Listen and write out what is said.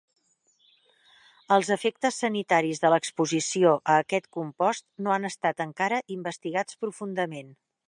Els efectes sanitaris de l'exposició a aquest compost no han estat encara investigats profundament.